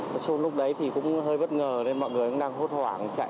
nói chung lúc đấy thì cũng hơi bất ngờ nên mọi người cũng đang hốt hoảng chạy